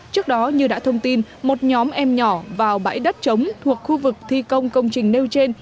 trước đó như đã thông tin một nhóm em nhỏ vào bãi đất trống thuộc khu vực thi công công trình nêu trên